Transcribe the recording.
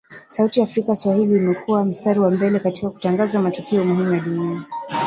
Sauti ya Afrika Swahili imekua mstari wa mbele katika kutangaza matukio muhimu ya dunia